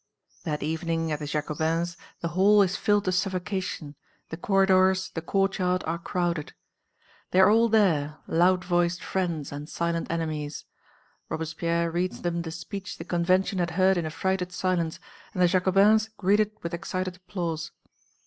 That evening at the Jacobins, the hall is filled to suffocation, the corridors, the courtyard are crowded. They are all there, loud voiced friends and silent enemies. Robespierre reads them the speech the Convention had heard in affrighted silence, and the Jacobins greet it with excited applause.